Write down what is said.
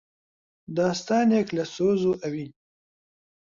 داستانێک لە سۆز و ئەوین